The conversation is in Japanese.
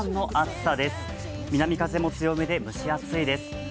南風も強めで蒸し暑いです。